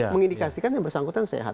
mengindikasikan yang bersangkutan sehat